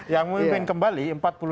yang mimpin kembali